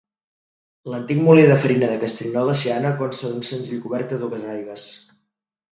L'antic molí de farina de Castellnou de Seana consta d'un senzill cobert a dues aigües.